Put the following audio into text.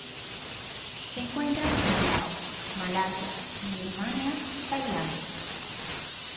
Se encuentra en Laos, Malasia, Birmania, Tailandia.